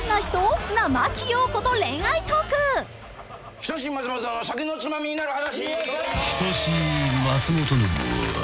『人志松本の酒のツマミになる話』